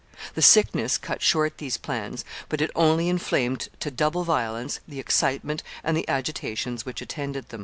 The sickness cut short these plans, but it only inflamed to double violence the excitement and the agitations which attended them.